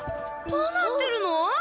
どうなってるの？